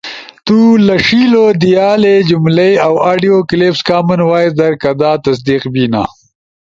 تو لݜیِلو دیالے جملئی، اؤ آڈیو کلپس کامن وائس در کدا تصدیق بینا